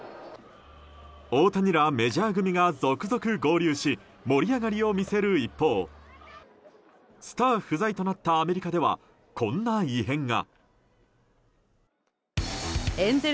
大谷らメジャー組が続々合流し盛り上がりを見せる一方スター不在となったアメリカではこんな異変が。